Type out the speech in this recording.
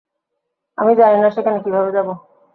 আমি জানি না সেখানে কীভাবে যাব।